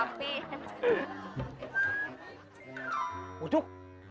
neng neng ini di rumah